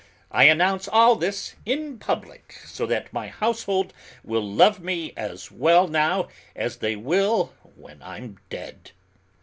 I announce all this in public so that my household will love me as well now as they will when I'm dead."